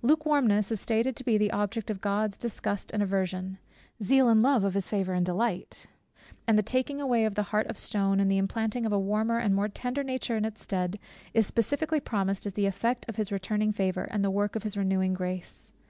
Lukewarmness is stated to be the object of God's disgust and aversion; zeal and love, of his favour and delight; and the taking away of the heart of stone and the implanting of a warmer and more tender nature in its stead, is specifically promised as the effect of his returning favour, and the work of his renewing grace.